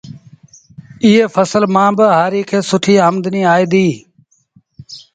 ايئي ڦسل مآݩ با هآريٚ کي آمدنيٚ سُٺيٚ آئي ديٚ